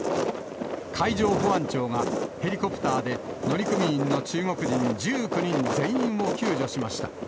海上保安庁がヘリコプターで、乗組員の中国人１９人全員を救助しました。